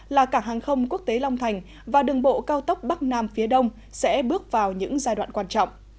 là cảng hàng không quốc tế long thành và đường bộ cao tốc bắc nam phía đông sẽ bước vào những giai đoạn quan trọng